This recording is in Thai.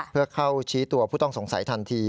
เพื่อเข้าชี้ตัวผู้ต้องสงสัยทันที